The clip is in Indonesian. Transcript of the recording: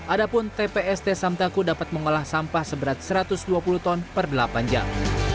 adapun tpst samtaku dapat mengolah sampah seberat satu ratus dua puluh ton per delapan jam